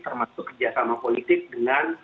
termasuk kerjasama politik dengan